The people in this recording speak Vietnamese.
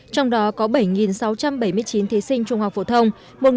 trong đó có bảy sáu trăm bảy mươi chín thí sinh trung học phổ thông